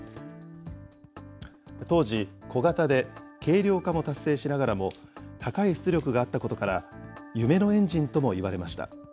当時、小型で軽量化も達成しながらも、高い出力があったことから、夢のエンジンともいわれました。